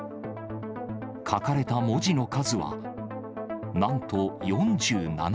書かれた文字の数は、なんと４７個。